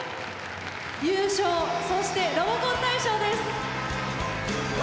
優勝そしてロボコン大賞です！